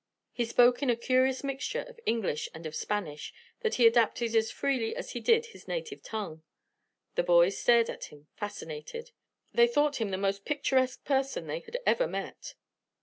He spoke in a curious mixture of English and of Spanish that he adapted as freely as he did his native tongue. The boys stared at him, fascinated. They thought him the most picturesque person they had ever met.